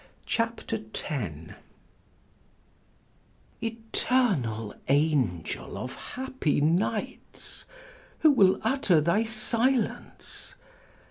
CHAPTER X ETERNAL angel of happy nights, who will utter thy silence?